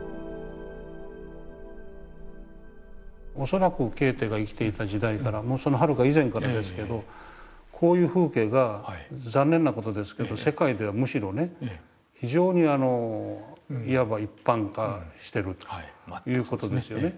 恐らくケーテが生きていた時代からもうそのはるか以前からですがこういう風景が残念な事ですけど世界ではむしろね非常にいわば一般化してるという事ですよね。